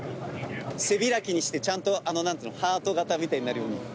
背開きにしてちゃんと何つうのハート形みたいになるように。